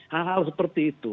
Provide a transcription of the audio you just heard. hal hal seperti itu